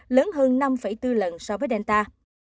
lớn hơn năm bốn lần so với delta